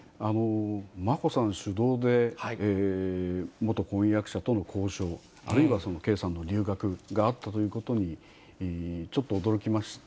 眞子さん主導で元婚約者との交渉、あるいはその圭さんの留学があったということに、ちょっと驚きました。